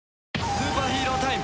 スーパーヒーロータイム。